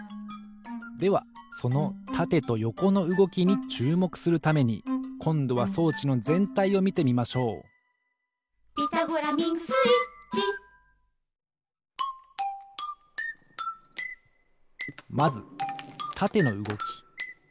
ではそのたてとよこのうごきにちゅうもくするためにこんどは装置のぜんたいをみてみましょう「ピタゴラミングスイッチ」まずたてのうごき。